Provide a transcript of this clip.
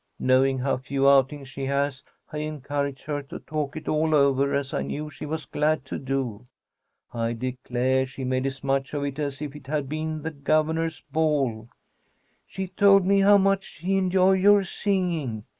Knowing how few outings she has, I encouraged her to talk it all over, as I knew she was glad to do. I declare she made as much of it as if it had been the governor's ball. She told me how much she enjoyed your singing.